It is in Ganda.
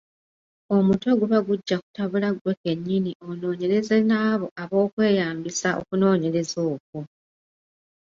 Omutwe guba gujja kutabula ggwe kennyini onoonyereza n’abo abookweyambisa okunoonyereza okwo.